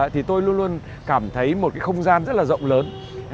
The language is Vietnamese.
thì tôi luôn luôn cảm thấy một cái không gian rất là rộng lớn